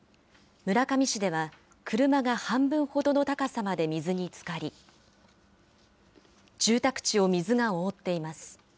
村上市では、車が半分ほどの高さまで水につかり、住宅地を水が覆っています。